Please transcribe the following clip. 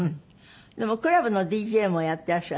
でもクラブのＤＪもやってらっしゃるでしょ？